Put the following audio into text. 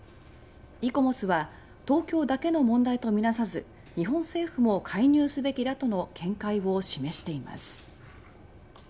イコモスは東京だけの問題と見なさず日本政府も介入すべきだとの見解を示しています。